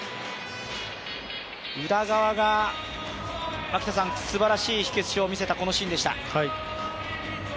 宇田川がすばらしい火消しを見せたこのシーンでした。